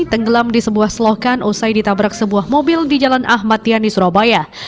tenggelam di sebuah selokan usai ditabrak sebuah mobil di jalan ahmad yani surabaya